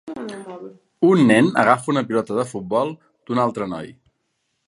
Un nen agafa una pilota de futbol d'un altre noi